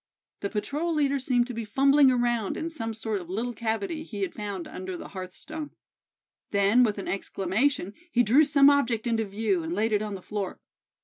The patrol leader seemed to be fumbling around in some sort of little cavity he had found under the hearth stone. Then, with an exclamation, he drew some object into view, and laid it on the floor.